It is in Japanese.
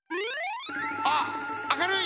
あっ明るい！